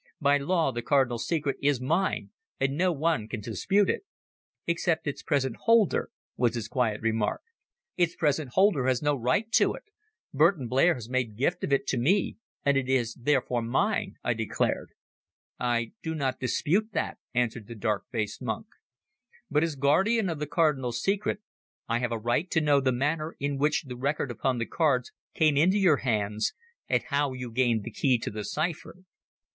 "By law the Cardinal's secret is mine, and no one can dispute it." "Except its present holder," was his quiet remark. "Its present holder has no right to it. Burton Blair has made gift of it to me, and it is therefore mine," I declared. "I do not dispute that," answered the dark faced monk. "But as guardian of the Cardinal's secret, I have a right to know the manner in which the record upon the cards came into your hands, and how you gained the key to the cipher."